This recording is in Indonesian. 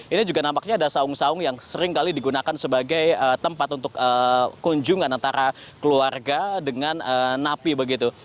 ini juga nampaknya ada saung saung yang seringkali digunakan sebagai tempat untuk kunjungan antara keluarga dengan napi begitu